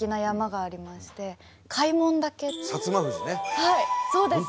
はいそうです！